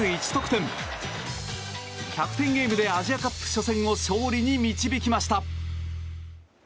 １００点ゲームでアジアカップ初戦を勝利に導きました。